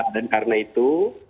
dan karena itu